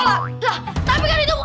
lah tapi kan itu aku sendiri gak mau